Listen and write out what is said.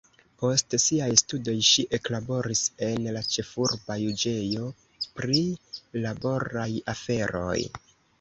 Post siaj studoj ŝi eklaboris en la ĉefurba juĝejo pri laboraj aferoj.